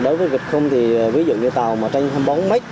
đối với việc không thì ví dụ như tàu mà tranh thông bóng mấy